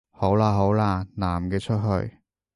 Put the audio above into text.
好喇好喇，男嘅出去